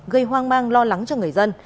gây hoang mang lo lắng cho người dân